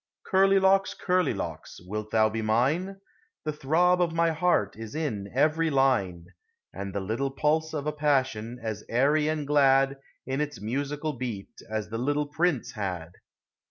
_" Curly Locks! Curly Locks! wilt thou be mine? The throb of my heart is in every line, And the pulse of a passion, as airy and glad In its musical beat as the little Prince had!